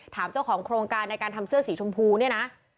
เจ้าของโครงการในการทำเสื้อสีชมพูเนี่ยนะ